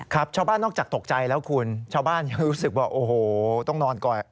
ครับชาวบ้านนอกจากตกใจแล้วคุณ